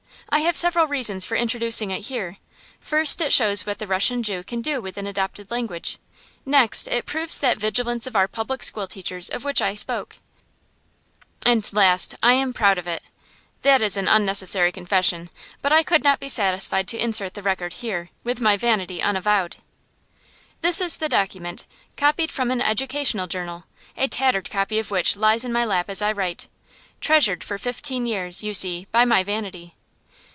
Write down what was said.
I have several reasons for introducing it here. First, it shows what the Russian Jew can do with an adopted language; next, it proves that vigilance of our public school teachers of which I spoke; and last, I am proud of it! That is an unnecessary confession, but I could not be satisfied to insert the record here, with my vanity unavowed. This is the document, copied from an educational journal, a tattered copy of which lies in my lap as I write treasured for fifteen years, you see, by my vanity.